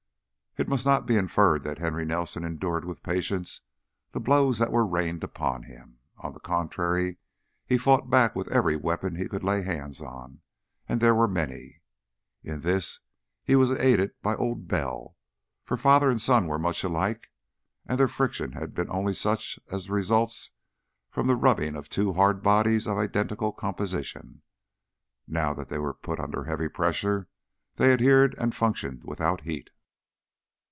It must not be inferred that Henry Nelson endured with patience the blows that were rained upon him. On the contrary, he fought back with every weapon he could lay hands upon, and there were many. In this he was aided by Old Bell, for father and son were much alike and their friction had been only such as results from the rubbing of two hard bodies of identical composition; now that they were put under heavy pressure, they adhered and functioned without heat.